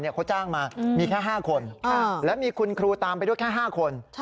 เขาจ้างมามีแค่๕คนและมีคุณครูตามไปด้วยแค่๕คน